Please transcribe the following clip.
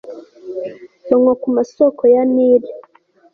banywa ku masoko ya nili